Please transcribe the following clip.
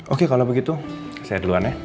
oke kalau begitu saya duluan ya